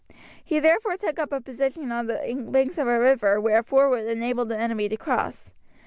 He therefore took up a position on the banks of a river where a ford would enable the enemy to cross.